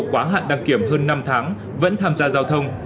quá hạn đăng kiểm hơn năm tháng vẫn tham gia giao thông